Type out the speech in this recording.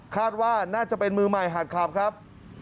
คาดว่าน่าจะเป็นมือใหม่หักขับครับ